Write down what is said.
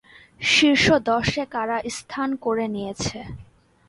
শীর্ষ দশে কারা স্থান করে নিয়েছে?